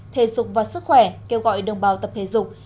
thể dục và sức khỏe kêu gọi đồng bào tập thể dục